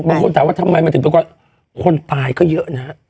คนถามว่าทำไมมันถึงปรากฏว่าคนตายก็เยอะนะฮะ